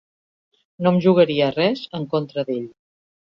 No em jugaria res en contra d'ell.